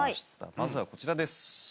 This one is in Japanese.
まずはこちらです。